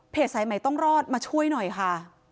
สายใหม่ต้องรอดมาช่วยหน่อยค่ะ